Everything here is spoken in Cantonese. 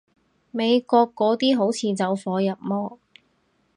美國嗰啲好似走火入魔